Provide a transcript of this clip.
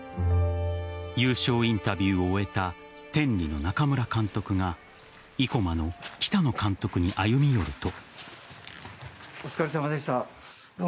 優勝インタビューを終えた天理の中村監督が生駒の北野監督に歩み寄ると。